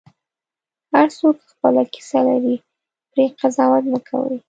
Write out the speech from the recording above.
هر څوک خپله کیسه لري، پرې قضاوت مه کوه.